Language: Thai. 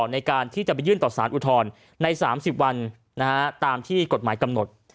ในการที่จะไปยื่นต่อสารอุทธรณ์ใน๓๐วันตามที่กฎหมายกำหนด